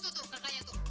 tuh tuh kakaknya tuh